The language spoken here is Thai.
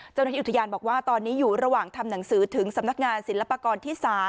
เจ้าหน้าที่อุทยานบอกว่าตอนนี้อยู่ระหว่างทำหนังสือถึงสำนักงานศิลปากรที่๓